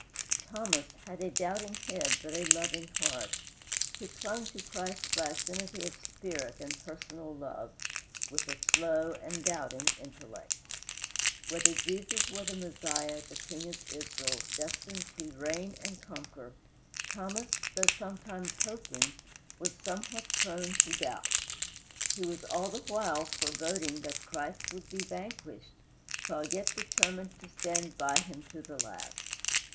Thomas had a doubting head but a loving heart; he clung to Christ by affinity of spirit and personal love, with a slow and doubting intellect. Whether Jesus were the Messiah, the King of Israel, destined to reign and conquer, Thomas, though sometimes hoping, was somewhat prone to doubt. He was all the while foreboding that Christ would be vanquished, while yet determined to stand by him to the last.